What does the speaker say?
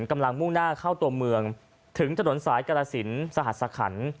กำลังมุ่งหน้าเข้าตัวเมืองถึงถนนสายกราศิลป์สหัสสะขัน